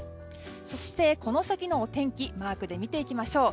そして、この先のお天気マークで見ていきましょう。